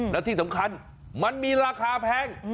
แล้วที่สำคัญมันมีราคาแพง